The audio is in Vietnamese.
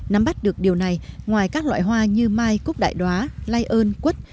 nắm bắt được điều này ngoài các loại hoa như mai cúc đại đoá lai ơn quất